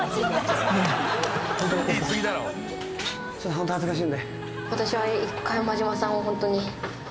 ホント恥ずかしいんで。